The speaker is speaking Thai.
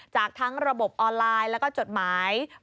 จากทั้งระบบออนไลน์แล้วก็จดหมาย